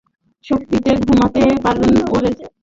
শান্তিতে ঘুমাতে পারবেন ওপারে গিয়ে!